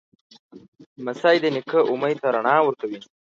لمسی د نیکه امید ته رڼا ورکوي.